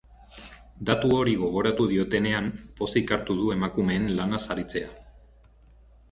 Datu hori gogoratu diotenean, pozik hartu du emakumeen lana saritzea.